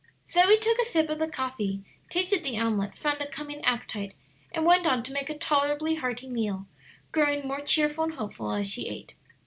Zoe took a sip of the coffee, tasted the omelet, found a coming appetite, and went on to make a tolerably hearty meal, growing more cheerful and hopeful as she ate.